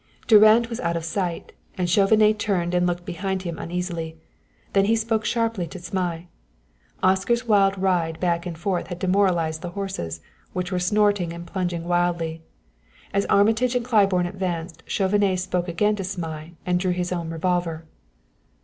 Durand was out of sight, and Chauvenet turned and looked behind him uneasily; then he spoke sharply to Zmai. Oscar's wild ride back and forth had demoralized the horses, which were snorting and plunging wildly. As Armitage and Claiborne advanced Chauvenet spoke again to Zmai and drew his own revolver.